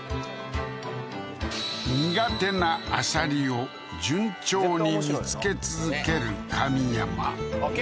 苦手なアサリを順調に見つけ続ける神山あっ